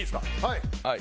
はい！